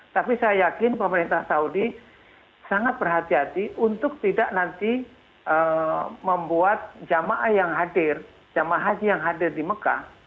tapi saya yakin pemerintah saudi sangat berhati hati untuk tidak nanti membuat jamaah yang hadir jamaah haji yang hadir di mekah